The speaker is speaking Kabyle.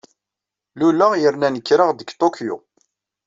Luleɣ yerna nekreɣ-d deg Tokyo.